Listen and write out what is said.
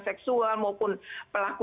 seksual maupun pelakuannya